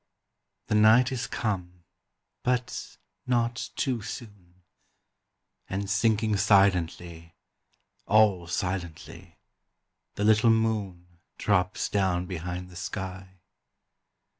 The night is come, but not too soon; And sinking silently, All silently, the little moon Drops down behind the sky.